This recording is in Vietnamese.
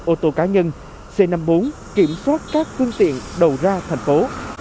ô tô cá nhân c năm mươi bốn kiểm soát các phương tiện đầu ra thành phố